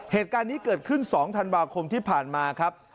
เหตุการณ์นี้เกิดขึ้น๒ธันวาคมที่ผ่านมาครับ